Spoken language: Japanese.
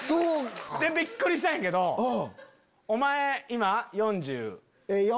びっくりしたんやけどお前今４０？